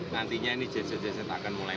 nantinya ini genset genset akan mulai